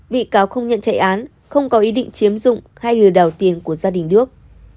bị cáo không nhận chạy án không có ý định chiếm dụng hay lừa đảo tiền của gia đình đức